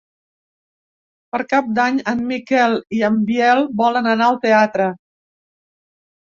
Per Cap d'Any en Miquel i en Biel volen anar al teatre.